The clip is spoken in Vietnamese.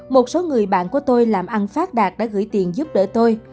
một số người bạn của tôi làm ăn phát đạt đã gửi tiền giúp đỡ tôi